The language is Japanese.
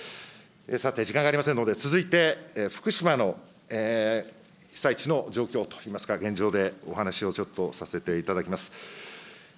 さて、時間がありませんので、続いて、福島の被災地の状況といいますか、現状でお話をちょっとさせていただきます。